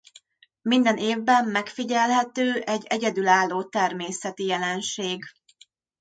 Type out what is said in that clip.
Minden évben megfigyelhető egy egyedülálló természeti jelenség.